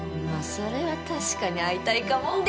まあそれは確かに会いたいかも。